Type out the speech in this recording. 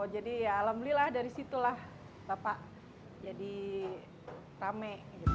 jadi ya alhamdulillah dari situlah bapak jadi rame